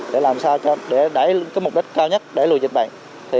để làm sao để đẩy mục đích cao nhất để lùi dịch bệnh